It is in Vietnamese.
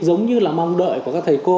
giống như là mong đợi của các thầy cô